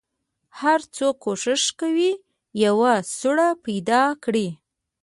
هر څوک کوښښ کوي یوه سوړه پیدا کړي.